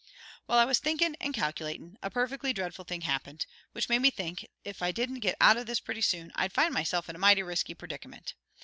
"While I was thinkin' and calculatin' a perfectly dreadful thing happened, which made me think if I didn't get out of this pretty soon I'd find myself in a mighty risky predicament.